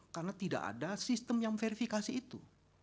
karena tidak ada sistem yang verifikasi itu